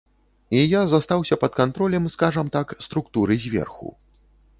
І я застаўся пад кантролем, скажам так, структуры зверху.